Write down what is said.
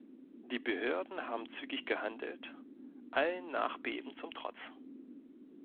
Die Behörden haben zügig gehandelt, allen Nachbeben zum Trotz.